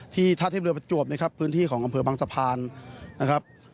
ท่าเทียบเรือประจวบนะครับพื้นที่ของอำเภอบางสะพานนะครับ